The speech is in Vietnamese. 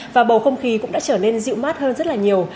và bầu không khí cũng đã trở nên dịu mát hơn rất là nhiều